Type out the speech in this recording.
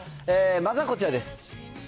まずはこちらです。